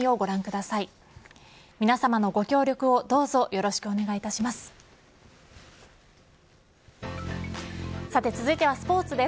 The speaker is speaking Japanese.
さて続いてはスポーツです。